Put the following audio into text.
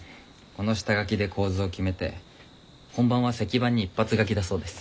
この下書きで構図を決めて本番は石版に一発描きだそうです。